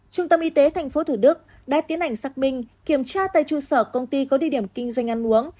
trung tâm y tế tp thủ đức đã tiến hành xác minh kiểm tra tại trụ sở công ty có địa điểm kinh doanh ăn uống